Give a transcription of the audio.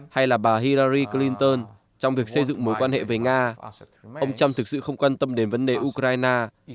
hay là bà hilary clinton trong việc xây dựng mối quan hệ với nga ông trump thực sự không quan tâm đến vấn đề ukraine